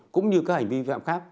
cũng như các hành vi vi phạm khác